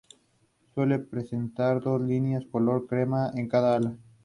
Suele presentar dos líneas color crema en cada ala.